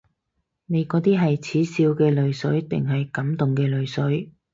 你嗰啲係恥笑嘅淚水定感動嘅淚水？